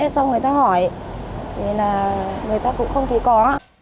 sau người ta hỏi người ta cũng không thấy có